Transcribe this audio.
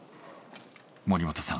森本さん